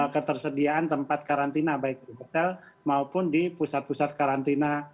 ketersediaan tempat karantina baik di hotel maupun di pusat pusat karantina